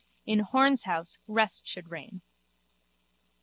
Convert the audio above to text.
In Horne's house rest should reign.